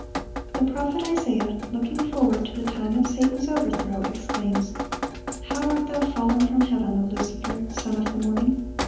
The prophet Isaiah, looking forward to the time of Satan's overthrow, exclaims: "How art thou fallen from heaven, O Lucifer, son of the morning!